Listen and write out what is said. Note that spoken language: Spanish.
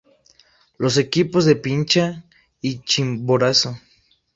Los equipos de Pichincha y Chimborazo.